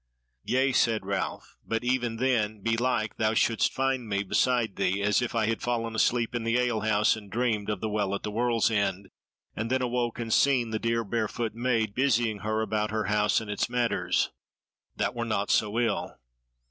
"Yea," said Ralph, "but even then, belike thou shouldst find me beside thee; as if I had fallen asleep in the ale house, and dreamed of the Well at the World's End, and then awoke and seen the dear barefoot maiden busying her about her house and its matters. That were naught so ill."